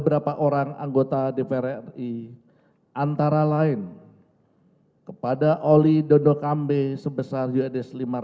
bapak orang anggota dpr ri antara lain kepada oli dodokambe sebesar usd lima ratus